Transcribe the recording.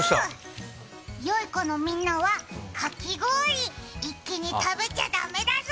よい子のみんなはかき氷、一気に食べちゃダメだぞ！